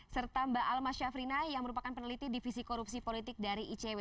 serta mbak almas syafrina yang merupakan peneliti divisi korupsi politik dari icw